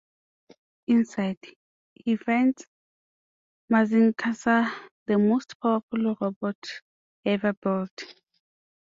Inside, he finds Mazinkaiser, the most powerful robot ever built.